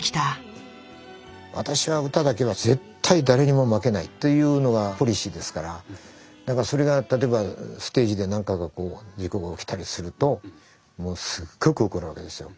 「私は歌だけは絶対誰にも負けない」というのがポリシーですからだからそれが例えばステージで何かが事故が起きたりするともうすっごく怒るわけですよ。